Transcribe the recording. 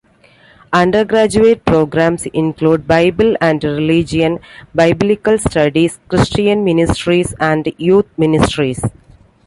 Undergraduate programs include: Bible and Religion, Biblical Studies, Christian Ministries, and Youth Ministries.